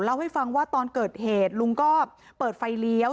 เล่าให้ฟังว่าตอนเกิดเหตุลุงก็เปิดไฟเลี้ยว